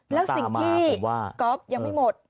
แล้วสิ่งที่ก๊อฟยังไม่หมด